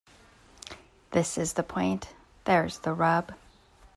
This is the point. There's the rub.